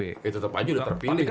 eh tetep aja udah terpilih kan